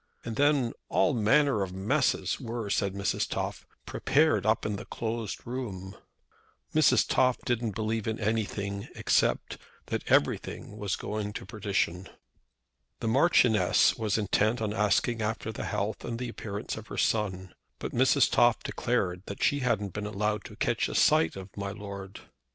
"And then all manner of messes were," said Mrs. Toff, "prepared up in the closed room." Mrs. Toff didn't believe in anything, except that everything was going to perdition. The Marchioness was intent on asking after the health and appearance of her son, but Mrs. Toff declared that she hadn't been allowed to catch a sight of "my lord."